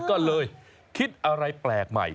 ก็เลยคิดอะไรแปลกใหม่